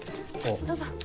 どうぞ。